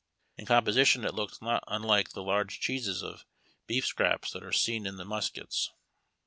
In composition it looked not unlike the large cheeses of beef scraps that are seen in the markets.